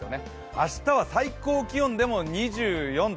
明日は最高気温でも２４度。